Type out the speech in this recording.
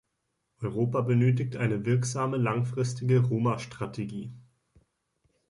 Europa benötigt eine wirksame langfristige Roma-Strategie.